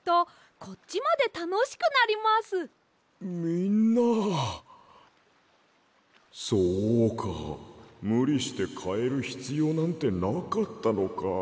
こころのこえそうかむりしてかえるひつようなんてなかったのか。